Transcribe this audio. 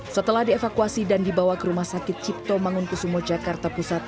setelah dievakuasi dan dibawa ke rumah sakit cipto mangunkusumo jakarta pusat